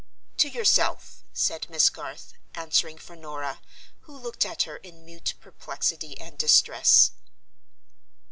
"To yourself," said Miss Garth; answering for Norah, who looked at her in mute perplexity and distress.